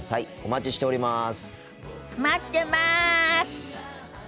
待ってます！